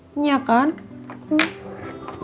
jadi buka puasa berdua